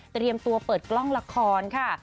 เตรียมตัวเปิดกล้องละครค่ะ